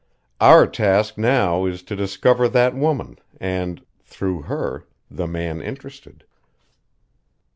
Our task now is to discover that woman and, through her, the man interested."